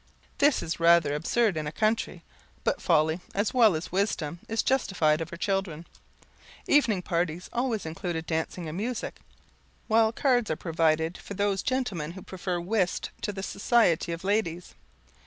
This is rather absurd in a country, but Folly, as well as Wisdom, is justified of her children. Evening parties always include dancing and music, while cards are provided for those gentlemen who prefer whist to the society of the ladies.